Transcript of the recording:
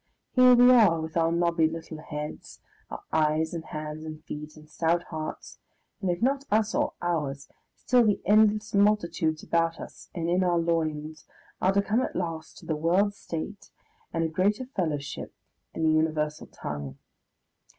Here we are, with our knobby little heads, our eyes and hands and feet and stout hearts, and if not us or ours, still the endless multitudes about us and in our loins are to come at last to the World State and a greater fellowship and the universal tongue.